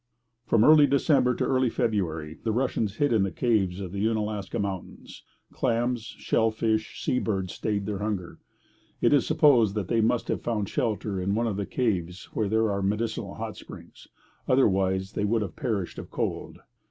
From early December to early February the Russians hid in the caves of the Oonalaska mountains. Clams, shell fish, sea birds stayed their hunger. It is supposed that they must have found shelter in one of the caves where there are medicinal hot springs; otherwise, they would have perished of cold.